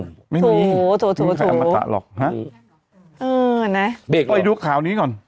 ไม่มีไม่มีใครอมตะหรอกนะฮะโอ้ยดูข่าวนี้ก่อน